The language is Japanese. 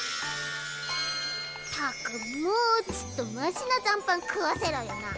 ったくもうちっとマシな残飯食わせろよな。